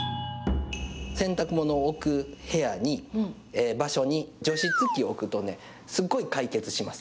洗濯物を置く部屋に、場所に、除湿器を置くとね、すっごい解決します。